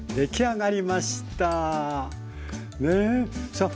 さあ